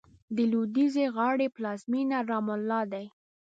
د لوېدیځې غاړې پلازمېنه رام الله ده.